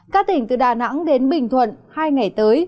các tỉnh từ đà nẵng đến bình thuận hai ngày tới